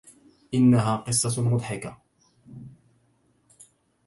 إنها قصةٌ مضحكة.